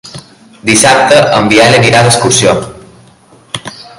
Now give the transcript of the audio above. Dissabte en Biel anirà d'excursió.